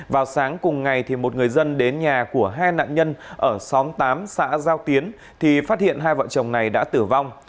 vào sáng cùng ngày một người dân đến nhà của hai nạn nhân ở xóm tám xã giao tiến thì phát hiện hai vợ chồng này đã tử vong